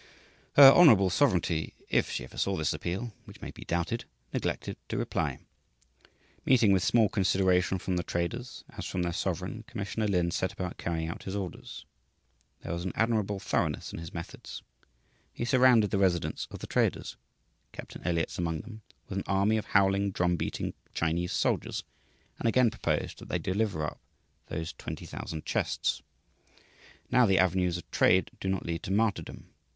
Her "Hon. Sovereignty," if she ever saw this appeal (which may be doubted), neglected to reply. Meeting with small consideration from the traders, as from their sovereign, Commissioner Lin set about carrying out his orders. There was an admirable thoroughness in his methods. He surrounded the residence of the traders, Captain Elliot's among them, with an army of howling, drum beating Chinese soldiers, and again proposed that they deliver up those 20,000 chests. Now, the avenues of trade do not lead to martyrdom.